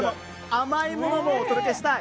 甘いものもお届けしたい。